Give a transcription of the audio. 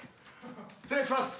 失礼します！